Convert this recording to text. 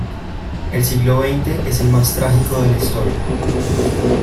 El siglo veinte es el más trágico de la historia.